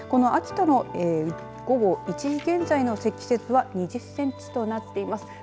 秋田の午後１時現在の積雪は２０センチとなっています。